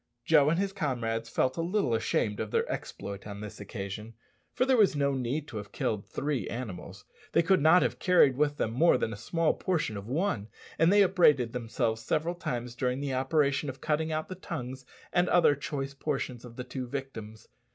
Joe and his comrades felt a little ashamed of their exploit on this occasion, for there was no need to have killed three animals they could not have carried with them more than a small portion of one and they upbraided themselves several times during the operation of cutting out the tongues and other choice portions of the two victims.